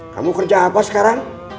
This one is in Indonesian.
kamu kerja apa sekarang